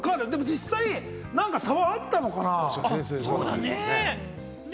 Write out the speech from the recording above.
実際、差はあったのかな？